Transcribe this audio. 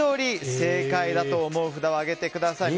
正解だと思う札を上げてください。